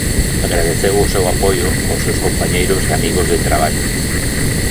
Agradeceu o seu apoio aos seus compañeiros e amigos de traballo.